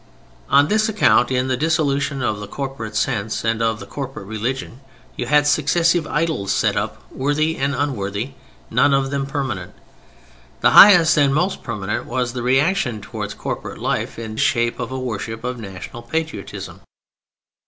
On this account in the dissolution of the corporate sense and of corporate religion you had successive idols set up, worthy and unworthy, none of them permanent. The highest and the most permanent was a reaction towards corporate life in the shape of a worship of nationality—patriotism.